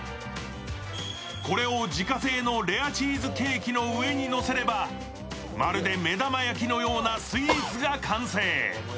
これを自家製のレアチーズケーキの上にのせれば、まるで目玉焼きのようなスイーツが完成。